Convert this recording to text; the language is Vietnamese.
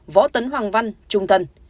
võ tấn hoàng văn trung thân